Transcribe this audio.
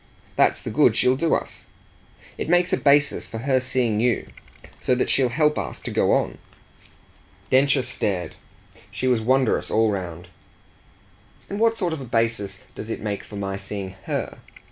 That's the good she'll do us. It makes a basis for her seeing you so that she'll help us to go on." Densher stared she was wondrous all round. "And what sort of a basis does it make for my seeing HER?"